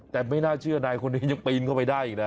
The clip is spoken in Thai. แต่ไม่น่าเชื่อนายคนนี้ยังปีนเข้าไปได้อีกนะ